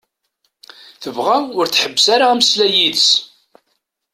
Tebɣa ur tḥebbes ara ameslay yid-s.